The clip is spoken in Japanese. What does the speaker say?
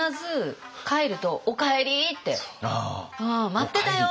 「待ってたよ！」